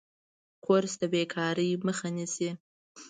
کورس د بیکارۍ مخه نیسي.